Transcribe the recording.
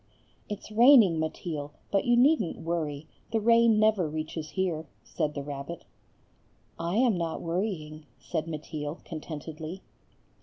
"It's raining, Mateel, but you needn't worry; the rain never reaches here," said the rabbit. "I am not worrying," said Mateel, contentedly.